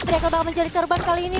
rachel bakal menjadi terban kali ini